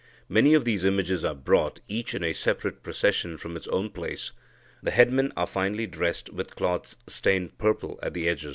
Many of these images are brought, each in a separate procession from its own place. The headmen are finely dressed with cloths stained purple at the edge.